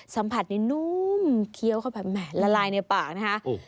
สัมผัสนี้นุ่มเคี้ยวเข้าแบบแห่ละลายในปากนะคะ